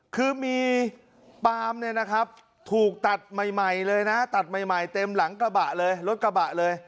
คือมีปาล์มเนี่ยนะครับถูกตัดใหม่ใหม่เลยนะตัดใหม่ใหม่เต็มหลังกระบะเลย